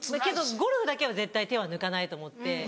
けどゴルフだけは絶対手は抜かないと思って。